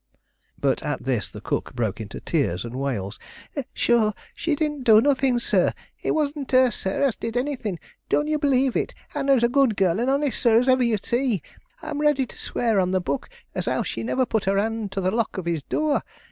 But at this the cook broke into tears and wails. "Shure, she didn't do nothing, sir. It wasn't her, sir, as did anything; don't you believe it. Hannah is a good girl, and honest, sir, as ever you see. I am ready to swear on the Book as how she never put her hand to the lock of his door.